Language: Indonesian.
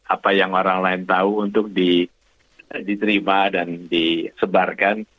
apa yang orang lain tahu untuk diterima dan disebarkan